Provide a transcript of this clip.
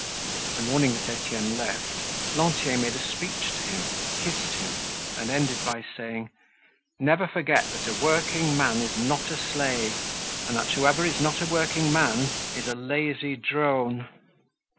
The morning that Etienne left Lantier made a speech to him, kissed him and ended by saying: "Never forget that a workingman is not a slave, and that whoever is not a workingman is a lazy drone."